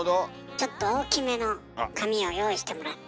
ちょっと大きめの紙を用意してもらって。